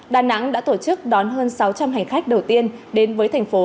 đà nẵng đã tổ chức đón hơn sáu trăm linh hành khách đầu tiên đến với thành phố